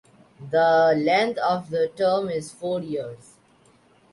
The length of the term is four years.